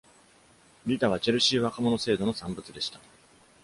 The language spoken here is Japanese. リタはチェルシー若者制度の産物でした。